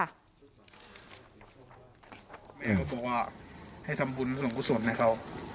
แม่เขาบอกว่าให้ทำบุญส่วนคุ้นส่วนให้เขา